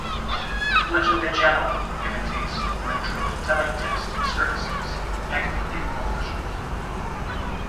Much of the channel imitates retro teletext services and infomercials.